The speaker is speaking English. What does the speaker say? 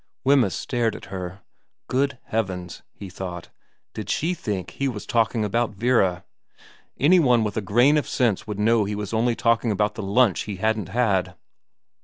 Wemyss stared at her. Good heavens, he thought, did she think he was talking about Vera ? Any one with a grain of sense would know he was only talking about the lunch he hadn't had.